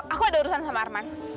aku ada urusan sama arman